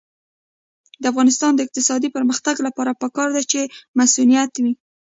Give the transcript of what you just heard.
د افغانستان د اقتصادي پرمختګ لپاره پکار ده چې مصونیت وي.